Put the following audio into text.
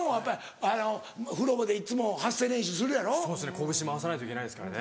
こぶし回さないといけないですからね。